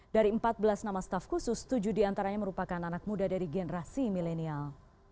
dari empat belas nama staff khusus tujuh diantaranya merupakan anak muda dari generasi milenial